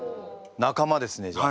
仲間ですねじゃあ。